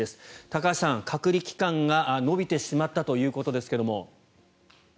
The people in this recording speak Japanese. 高橋さん、隔離期間が延びてしまったということですが。